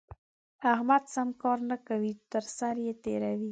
احمد سم کار نه کوي؛ تر سر يې تېروي.